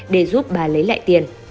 để giúp bà lấy lại tiền